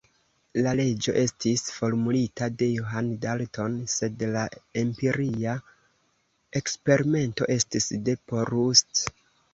La leĝo estis formulita de John Dalton, sed la empiria eksperimento estis de Proust.